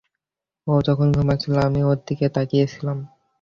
ও যখন ঘুমাচ্ছিল আমি ওর দিকে তাকিয়ে ছিলাম।